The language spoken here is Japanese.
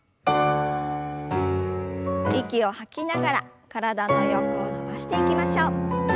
息を吐きながら体の横を伸ばしていきましょう。